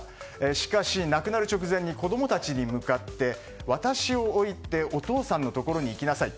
しかし亡くなる直前に子供たちに向かって、私を置いてお父さんのところに行きなさい。